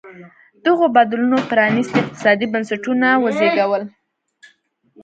دغو بدلونونو پرانېستي اقتصادي بنسټونه وزېږول.